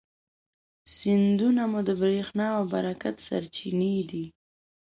سیندونه مو د برېښنا او برکت سرچینې دي.